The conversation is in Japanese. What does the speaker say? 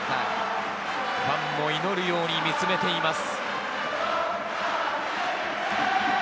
ファンも祈るように見つめています。